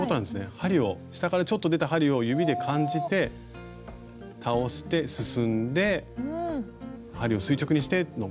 針を下からちょっと出た針を指で感じて倒して進んで針を垂直にしてのこれの繰り返しです。